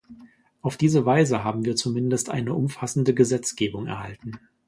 Auf diese Weise haben wir zumindest eine umfassende Gesetzgebung erhalten.